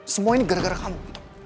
semua ini gara gara kamu